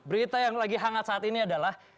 berita yang lagi hangat saat ini adalah